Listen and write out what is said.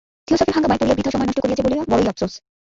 থিওসফির হাঙ্গামায় পড়িয়া বৃথা সময় নষ্ট করিয়াছে বলিয়া বড়ই আপসোস।